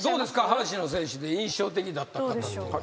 阪神の選手で印象的だった方って。